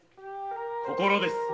心です。